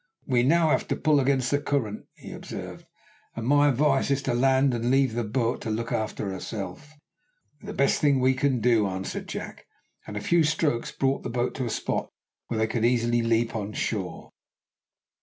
"We have now to pull against the current," he observed, "and my advice is to land and leave the boat to look after herself." "The best thing we can do," answered Jack, and a few strokes brought the boat to a spot where they could easily leap on shore.